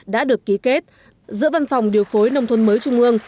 đã được ký kết giữa văn phòng điều phối nông thôn mới trung ương